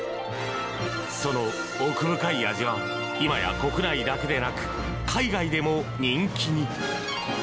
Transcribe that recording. その奥深い味は今や国内だけでなく海外でも人気に。